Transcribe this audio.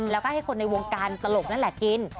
แล้วก็ให้คนในวงการตลกนั่นแหละกิน